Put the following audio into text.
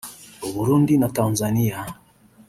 u Burundi na Tanzania